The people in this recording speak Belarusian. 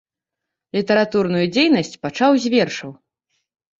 Літаратурную дзейнасць пачаў з вершаў.